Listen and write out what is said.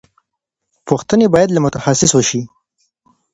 پوښتنې باید له متخصص وشي.